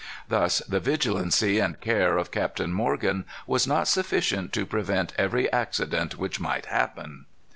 Thus the vigilancy and care of Captain Morgan was not sufficient to prevent every accident which might happen."